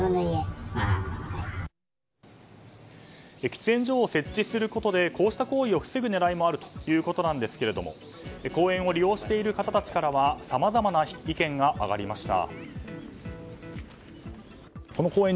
喫煙所を設置することでこうした行為を防ぐ狙いもあるということですが公園を利用している方たちからはさまざまな意見が挙がりました。